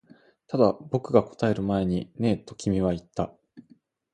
ただ、僕が答える前にねえと君は言った